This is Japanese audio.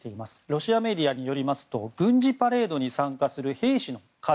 ロシアメディアによりますと軍事パレードに参加する兵士の数